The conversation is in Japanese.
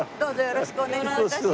よろしくお願いします。